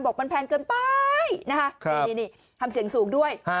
บอกมันแพงเกินไปนะคะนี่ทำเสียงสูงด้วย